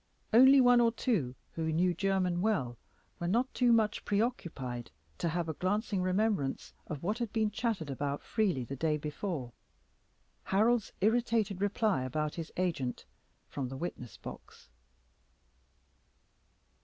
Only one or two, who knew Jermyn well, were not too much preoccupied to have a glancing remembrance of what had been chatted about freely the day before Harold's irritated reply about his agent, from the witness box.